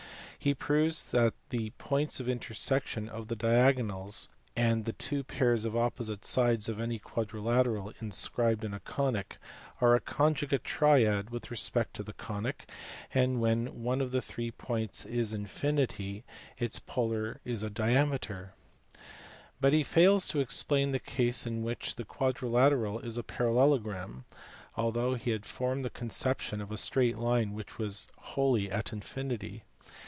He proves that the points of intersection of the diagonals and the two pairs of opposite sides of any quadrilateral inscribed in a conic are a conjugate triad with respect to the conic, and when one of the three points is at infinity its polar is a diameter ; but he fails to explain the case in which the quad rilateral is a parallelogram, although he had formed the con ception of a straight line which was wholly at infinity.